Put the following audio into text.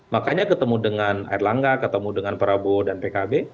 makanya ketemu dengan erlangga ketemu dengan prabowo dan pkb